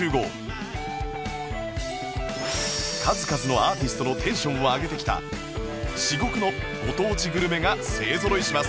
数々のアーティストのテンションを上げてきた至極のご当地グルメが勢ぞろいします